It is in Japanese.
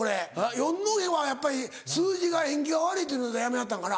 四戸はやっぱり数字が縁起が悪いっていうのでやめはったんかな？